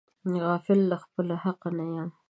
غافل له خپله حقه نه یم.